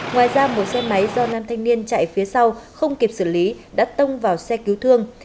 ngoài ra một xe máy do nam thanh niên chạy phía sau không kịp xử lý đã tông vào xe cứu thương